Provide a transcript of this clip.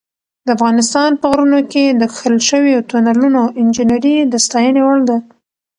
د افغانستان په غرونو کې د کښل شویو تونلونو انجینري د ستاینې وړ ده.